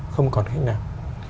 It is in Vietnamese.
không còn khách nào